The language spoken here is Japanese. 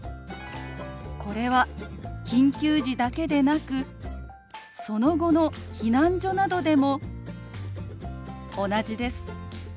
これは緊急時だけでなくその後の避難所などでも同じです。